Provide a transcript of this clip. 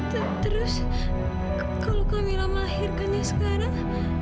dan terus kalau kamila melahirkannya sekarang